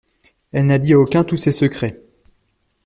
Elle n'a dit à aucun tous ses secrets.